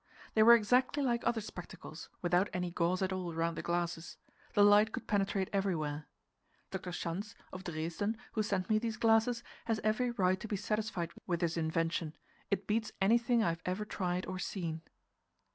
They were exactly like other spectacles, without any gauze at all round the glasses; the light could penetrate everywhere. Dr. Schanz, of Dresden, who sent me these glasses, has every right to be satisfied with his invention; its beats anything I have ever tried or seen.